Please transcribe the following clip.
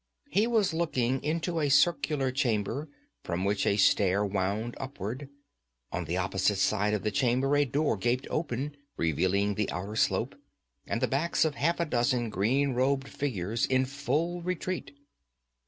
He was looking into a circular chamber from which a stair wound upward. On the opposite side of the chamber a door gaped open, revealing the outer slope and the backs of half a dozen green robed figures in full retreat.